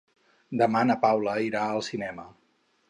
Demà na Paula irà al cinema.